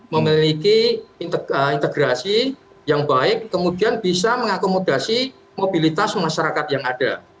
memiliki integrasi yang baik kemudian bisa mengakomodasi mobilitas masyarakat yang ada